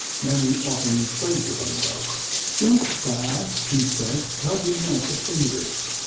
Mammy often played with him thus. Don't c'y !" he said, tugging at the fingers.